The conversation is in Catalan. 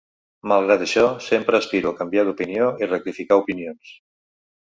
Malgrat això, sempre aspiro a canviar d’opinió i rectificar opinions.